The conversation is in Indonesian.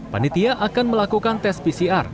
panitia akan melakukan tes pcr